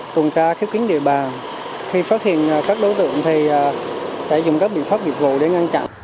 tuần tra khiếp kiến địa bàn khi phát hiện các đối tượng thì sẽ dùng các biện pháp dịch vụ để ngăn chặn